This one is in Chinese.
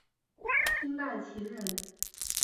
清代琴人。